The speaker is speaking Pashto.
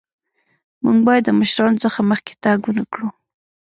مونږ باید د مشرانو څخه مخکې تګ ونکړو.